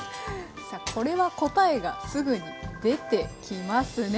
さあこれは答えがすぐに出てきますね。